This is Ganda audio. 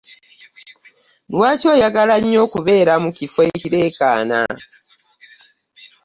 Lwaki oyagala nnyo okubeera mu kiffo ekireekana?